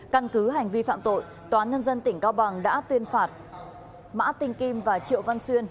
căn cứ hành vi phạm tội tòa án nhân dân tỉnh cao bằng đã tuyên phạt mã tinh kim và triệu văn xuyên